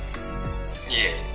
「いえ。